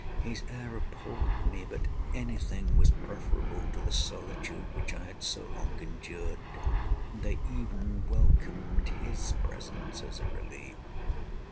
His air appalled me—but anything was preferable to the solitude which I had so long endured, and I even welcomed his presence as a relief.